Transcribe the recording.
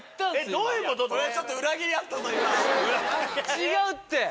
違うって！